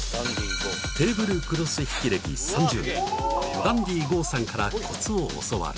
テーブルクロス引き歴３０年ダンディＧＯさんからコツを教わる